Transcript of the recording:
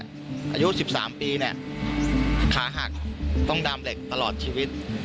อายุ๑๓ปีเนี่ยขาหักต้องดามเหล็กตลอดชีวิต